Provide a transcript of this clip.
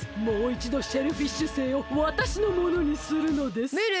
もういちどシェルフィッシュ星をわたしのものにするのです。